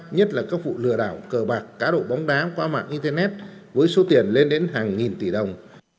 nhất là các vụ lừa đảo cờ bạc cá độ bóng đá qua mạng internet với số tiền lên đến hàng nghìn tỷ đồng